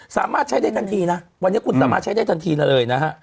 สามารถใช้ได้ทันทีนะวันนี้คุณสามารถใช้ได้ทันทีเลยนะฮะ